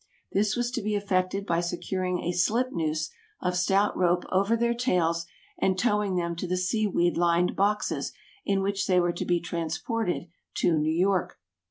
This was to be effected by securing a slip noose of stout rope over their tails, and towing them to the sea weed lined boxes in which they were to be transported to New York.